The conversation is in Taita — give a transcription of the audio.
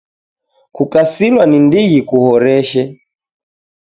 Kukasilwa ni ndighi kuhoreshe!